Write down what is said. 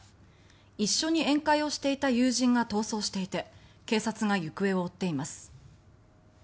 一緒に宴会をしていた友人が逃走していて警察が行方を追っています。